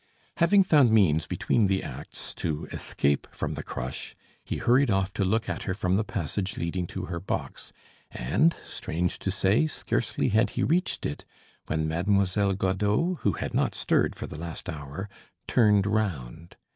Having found means, between the acts, to escape from the crush, he hurried off to look at her from the passage leading to her box, and, strange to say, scarcely had he reached it, when Mademoiselle Godeau, who had not stirred for the last hour, turned round.